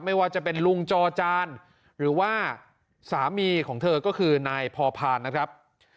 ไม่ว่าจะเป็นลุงจอจานหรือว่าสามีของเธอก็คือนายพอพานนะครับ